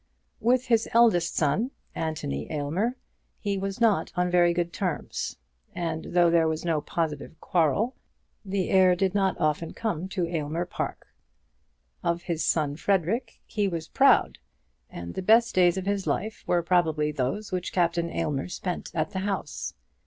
With his eldest son, Anthony Aylmer, he was not on very good terms; and though there was no positive quarrel, the heir did not often come to Aylmer Park. Of his son Frederic he was proud, and the best days of his life were probably those which Captain Aylmer spent at the house.